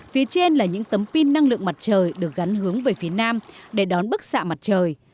phía trên là những tấm pin năng lượng mặt trời được gắn hướng về phía nam để đón bức xạ mặt trời